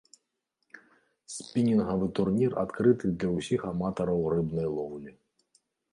Спінінгавы турнір адкрыты для ўсіх аматараў рыбнай лоўлі.